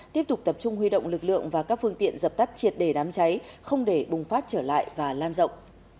tiếp tục tập trung huy động lực lượng và các phương tiện dập tắt triệt đề đám cháy không để bùng phát trở lại và lan rộng